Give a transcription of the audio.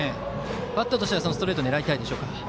バッターとしてはストレートを狙いたいですか。